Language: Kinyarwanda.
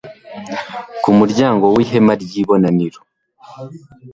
ku muryango w'ihema ry'ibonaniro